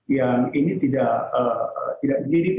yang ini tidak jadi